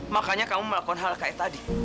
makanya kamu melakukan hal kayak tadi